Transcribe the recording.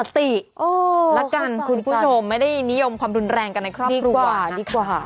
อ๋อขอบคุณค่ะดีกว่าดีกว่านะครับคุณผู้ชมไม่ได้นิยมความดุลแรงกันในครอบครัว